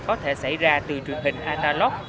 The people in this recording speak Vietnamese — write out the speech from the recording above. có thể xảy ra từ truyền hình analog